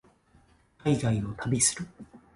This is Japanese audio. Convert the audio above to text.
海外を旅する